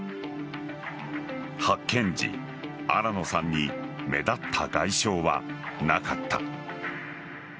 発見時、新野さんに目立った外傷はなかった。